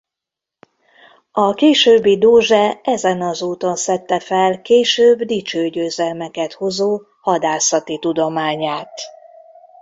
A későbbi dózse ezen az úton szedte fel később dicső győzelmeket hozó hadászati tudományát.